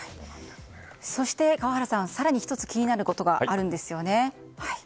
そして更に、１つ気になることがあるんですよね。